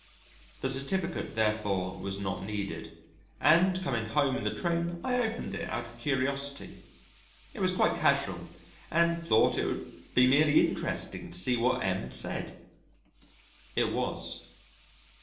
The certificate therefore was not needed, and coming home in the train I opened it out of curiosity.... I was quite casual and thought it would be merely interesting to see what M said. It was.